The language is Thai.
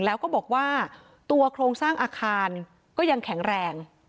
แล้วก็บอกว่าตัวโครงสร้างอาคารก็ยังแข็งแรง